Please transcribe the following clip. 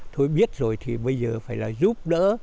thôi biết rồi thì bây giờ phải là giúp đỡ